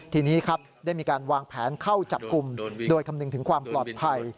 ทีนี้ครับได้มีการวางแผนเข้าจับกลุ่มโดยคำนึงถึงความปลอดภัย